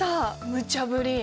むちゃぶり！